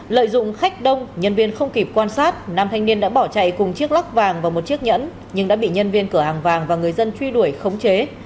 lợi dụng khách đông nhân viên không kịp quan sát nam thanh niên đã bỏ chạy cùng chiếc lóc vàng và một chiếc nhẫn nhưng đã bị nhân viên cửa hàng vàng và người dân truy đuổi khống chế